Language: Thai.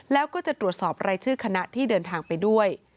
แล้วก็จะตรวจสอบรายชื่อคณะที่เดินทางไปด้วย